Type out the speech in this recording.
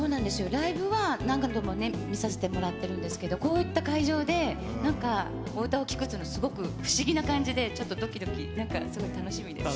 ライブは何回も見させてもらってるんですけど、こういった会場で、なんかお歌を聴くっていうのはすごく不思議な感じで、ちょっとどきどき、なんかすごい楽しみです。